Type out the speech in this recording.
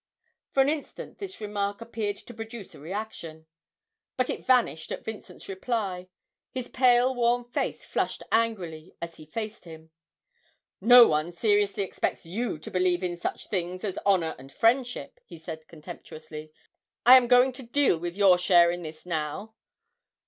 For an instant this remark appeared to produce a reaction; but it vanished at Vincent's reply. His pale worn face flushed angrily as he faced him. 'No one seriously expects you to believe in such things as honour and friendship!' he said contemptuously. 'I am going to deal with your share in this now.